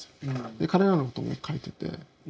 で彼らのことも描いてて。